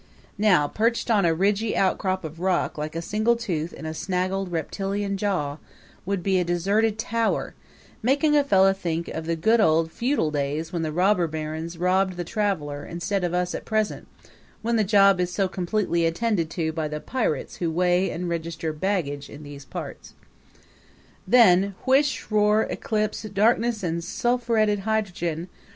Now, perched on a ridgy outcrop of rock like a single tooth in a snaggled reptilian jaw, would be a deserted tower, making a fellow think of the good old feudal days when the robber barons robbed the traveler instead of as at present, when the job is so completely attended to by the pirates who weigh and register baggage in these parts. Then whish, roar, eclipse, darkness and sulphureted hydrogen!